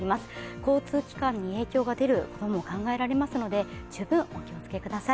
交通機関に影響が出ることも考えられますので十分お気をつけください。